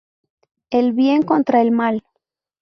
El bien contra el mal.